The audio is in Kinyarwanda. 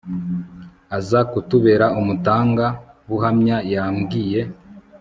aza kutubera umutanga buhamya Yambyiye